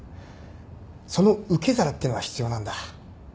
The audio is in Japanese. その受け皿ってのは必要なんだ。